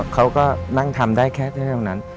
เขาก็นั่งทำได้แค่นั้น